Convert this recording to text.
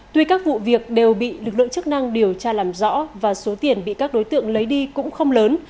tuy các vụ việc đều bị lực lượng chức năng điều tra làm rõ và số tiền bị các đối tượng lấy đi cũng không lớn